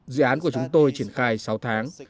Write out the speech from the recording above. dự án của chúng tôi triển khai sáu tháng